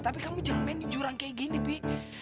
tapi kamu jangan main di jurang kayak gini bi